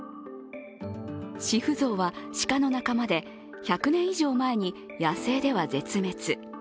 シフゾウは鹿の仲間で、１００年以上前に野生では絶滅。